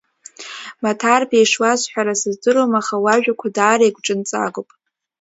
Маҭарбеи ишуасҳәара сыздыруам, аха уажәақәа даара игәҽынҵагоуп…